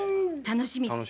楽しみ。